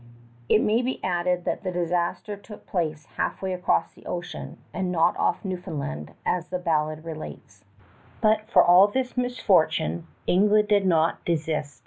It may be added that the disaster took place halfway across the ocean, and not off Newfoundland, as the ballad relates. But for all this misfortune, England did not desist.